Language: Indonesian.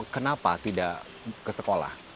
kenapa tidak ke sekolah